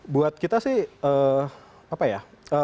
buat kita sih apa ya